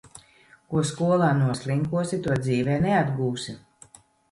Ko skolā noslinkosi, to dzīvē neatgūsi.